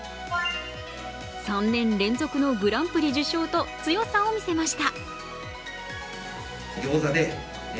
３年連続のグランプリ受賞と強さを見せました。